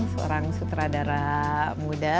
seorang sutradara muda